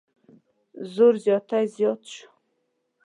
زور زیاتی زیات شو.